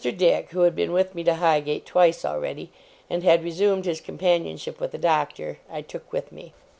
Dick, who had been with me to Highgate twice already, and had resumed his companionship with the Doctor, I took with me.